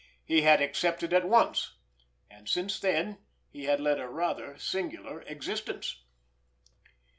He had accepted at once, and since then he had led a rather singular existence.